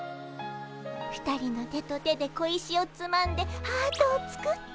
２人の手と手で小石をつまんでハートを作って。